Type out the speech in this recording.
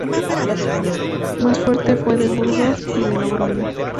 Más tarde fue de Burgos y de Logroño.